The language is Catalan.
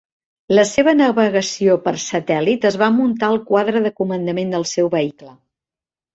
La seva navegació per satèl·lit es va muntar al quadre de comandament del seu vehicle